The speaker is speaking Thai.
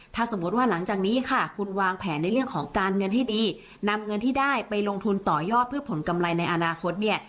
ถ้าสมมติว่าหลังจากนี้ค่ะคุณวางแผนในเรื่องของการเงินให้ดีนำเงินที่ได้ไปลงทุนต่อยอดเพื่อผลกำไรในอนาคตเนี่ย